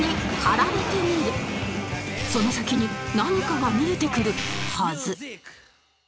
その先に何かが見えてくるはず